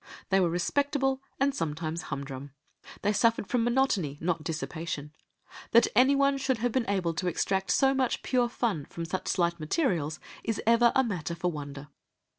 They were respectable and sometimes humdrum. They suffered from monotony, not dissipation. That anyone should have been able to extract so much pure fun from such slight materials is ever matter for wonder.